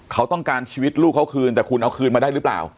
เขาต้องการชีวิตลูกเขาคืนแต่คุณเอาคืนมาได้หรือเปล่า